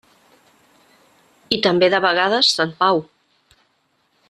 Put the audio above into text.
I també de vegades Sant Pau.